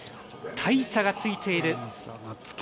大差がついている。